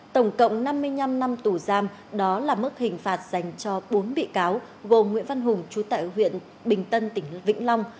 tổng cộng năm mươi năm năm tù giam đó là mức hình phạt dành cho bốn bị cáo gồm nguyễn văn hùng chú tại huyện bình tân tỉnh vĩnh long